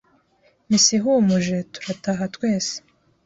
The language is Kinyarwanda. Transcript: Misa ihumuje turataha twese